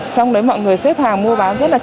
xong đấy mọi người xếp hàng mua bán rất là